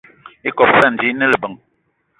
Ikob íssana ji íne lebeng.